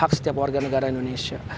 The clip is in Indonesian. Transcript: hak setiap warga negara indonesia